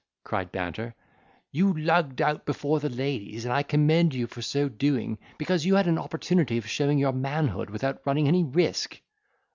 cried Banter; "You lugged out before the ladies; and I commend you for so doing, because you had an opportunity of showing your manhood without running any risk."